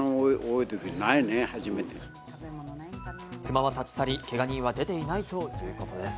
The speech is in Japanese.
クマは立ち去り、けが人は出ていないということです。